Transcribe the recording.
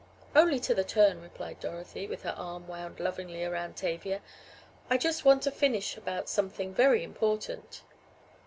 "Only to the turn," replied Dorothy, with her arm wound lovingly around Tavia, "I just want to finish about something very important."